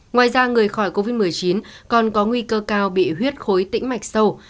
ngoài ra người khỏi covid một mươi chín còn có nguy cơ cao bị huyết khối tĩnh mạch sâu